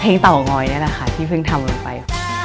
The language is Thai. เตางอยนี่แหละค่ะที่เพิ่งทำลงไป